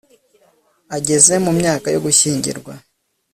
ageze mu myaka yo gushingirwa